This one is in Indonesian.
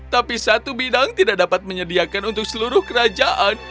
tapi satu bidang tidak dapat menyediakan untuk seluruh kerajaan